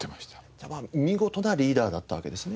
じゃあ見事なリーダーだったわけですね。